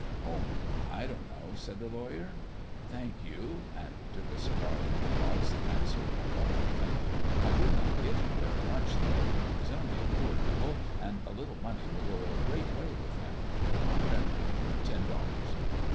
"Oh, I don't know," said the lawyer. "Thank you" and he took a cigar from the box the man servant offered him "I would not give him very much, though. He's only a poor devil, and a little money will go a great way with him. Offer him ten dollars."